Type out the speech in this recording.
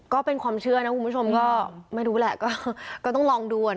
ก็เป็นความเชื่อนะคุณผู้ชมก็ไม่รู้แหละก็ต้องลองดู